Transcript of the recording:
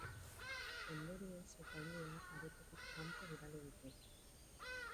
Ondorioz, epaileak aretotik kanpo bidali ditu.